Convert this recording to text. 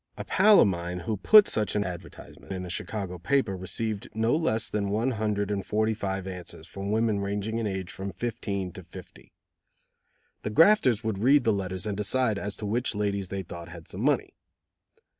A pal of mine who put such an advertisement in a Chicago paper received no less than one hundred and forty five answers from women ranging in age from fifteen to fifty. The grafters would read the letters and decide as to which ladies they thought had some money.